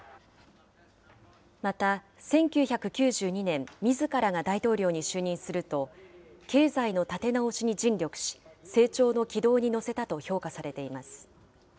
また、１９９２年、みずからが大統領に就任すると、経済の立て直しに尽力し、成長の軌道に乗せたと評価されています。